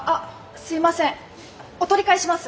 すいませんお取り替えします。